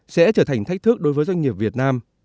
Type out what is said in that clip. sẽ trở thành thách thức đối với doanh nghiệp việt nam